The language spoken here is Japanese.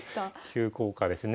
急降下ですね。